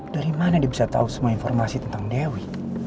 dari mana dia bisa tahu semua informasi tentang dewi